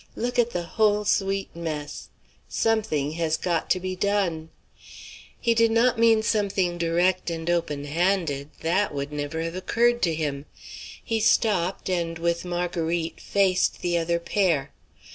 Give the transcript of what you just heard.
Look at the whole sweet mess! Something has got to be done." He did not mean something direct and openhanded; that would never have occurred to him. He stopped, and with Marguerite faced the other pair.